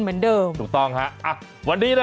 สวัสดีครับสวัสดีครับ